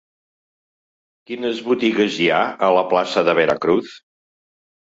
Quines botigues hi ha a la plaça de Veracruz?